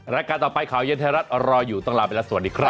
รายการต่อไปข่าวเย็นไทยรัฐรออยู่ต้องลาไปแล้วสวัสดีครับ